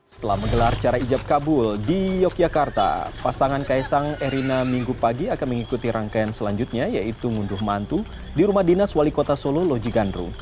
setelah menggelar cara ijab kabul di yogyakarta pasangan kaisang erina minggu pagi akan mengikuti rangkaian selanjutnya yaitu ngunduh mantu di rumah dinas wali kota solo loji gandrung